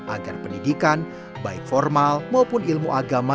agar pendidikan baik formal maupun ilmu agama